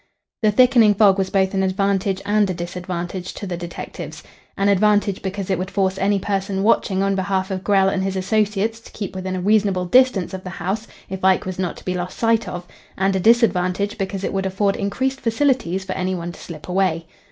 The thickening fog was both an advantage and a disadvantage to the detectives an advantage because it would force any person watching on behalf of Grell and his associates to keep within a reasonable distance of the house if Ike was not to be lost sight of, and a disadvantage because it would afford increased facilities for any one to slip away.